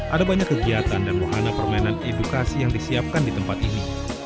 ada banyak kegiatan dan wahana permainan edukasi yang disiapkan di tempat ini